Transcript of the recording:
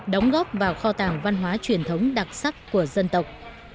đóng góp vào kho tàng văn hóa truyền thống đặc sắc của dân tộc